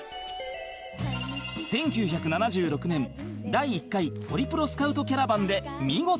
１９７６年第１回ホリプロスカウトキャラバンで見事